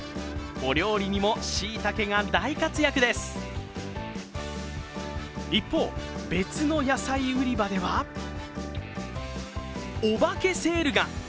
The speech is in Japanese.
お料理にも、しいたけが大活躍です一方、別の野菜売り場ではおばけセールが。